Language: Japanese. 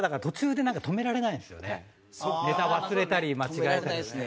ネタ忘れたり間違えたり。